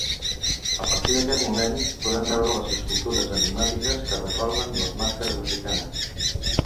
A partir d'aquest moment podrem veure les escultures enigmàtiques que recorden les màscares africanes.